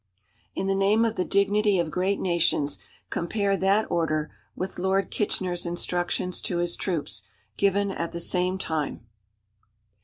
In the name of the dignity of great nations, compare that order with Lord Kitchener's instructions to his troops, given at the same time.